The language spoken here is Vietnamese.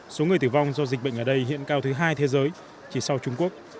số người tử vong do dịch bệnh ở đây hiện cao thứ hai thế giới chỉ sau trung quốc